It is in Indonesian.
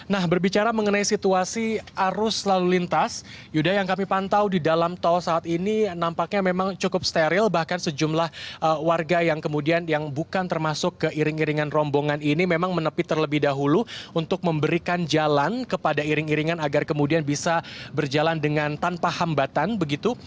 nah berbicara mengenai situasi arus lalu lintas yuda yang kami pantau di dalam tol saat ini nampaknya memang cukup steril bahkan sejumlah warga yang kemudian yang bukan termasuk keiring iringan rombongan ini memang menepi terlebih dahulu untuk memberikan jalan kepada iring iringan agar kemudian bisa berjalan dengan tanpa hambatan begitu